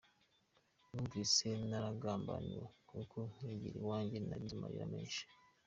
Numvise naragambaniwe kuko nkigera iwanjye narize amarira menshi.